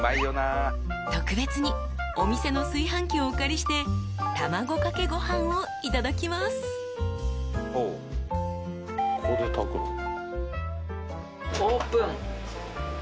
［特別にお店の炊飯器をお借りして卵かけご飯をいただきます］オープン！